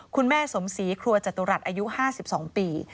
คุณแม่สมศรีครัวจตุรัสอายุ๕๒ปี